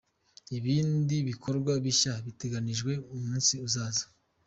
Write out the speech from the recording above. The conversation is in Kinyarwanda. Ibindi bikorwa bishya biteganijwe mu minsi izaza.